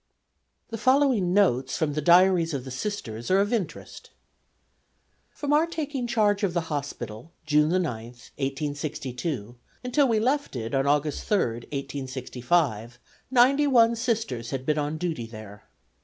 The following notes from the diaries of the Sisters are of interest: "From our taking charge of the hospital, June the 9th, 1862, until we left it, on August 3, 1865, ninety one Sisters had been on duty there.